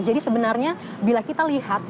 jadi sebenarnya bila kita lihat